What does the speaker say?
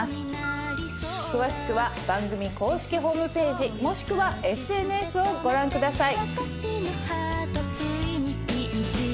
詳しくは番組公式ホームページもしくはＳＮＳをご覧ください。